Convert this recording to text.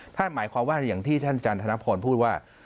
หมายความว่าอย่างที่ท่านจันธนพรพูดว่า